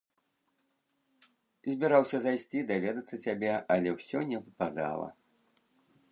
Збіраўся зайсці даведацца цябе, але ўсё не выпадала.